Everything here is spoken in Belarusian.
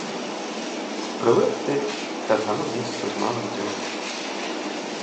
Прывык ты к аднаму месцу з малых дзён.